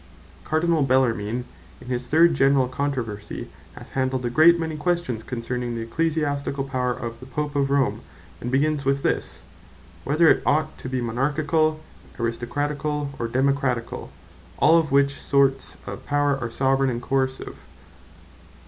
The Power Ecclesiasticall Is But The Power To Teach Cardinall Bellarmine in his third generall Controversie, hath handled a great many questions concerning the Ecclesiasticall Power of the Pope of Rome; and begins with this, Whether it ought to be Monarchicall, Aristocraticall, or Democraticall. All which sorts of Power, are Soveraign, and Coercive.